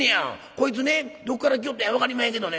こいつねどっから来よったんや分かりまへんけどね。